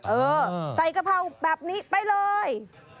เออใส่กะเพราแบบนี้ไปเลย